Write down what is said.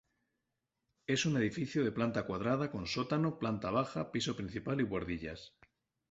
Es un edificio de planta cuadrada con sótano, planta baja, piso principal y buhardillas.